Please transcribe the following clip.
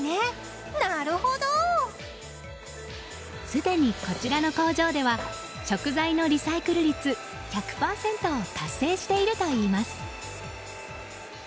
すでに、こちらの工場では食材のリサイクル率１００％を達成しているといいます。